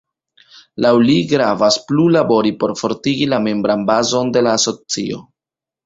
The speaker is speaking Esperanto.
Laŭ li gravas plu labori por fortigi la membran bazon de la asocio.